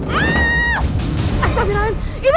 iya baik bu sebentar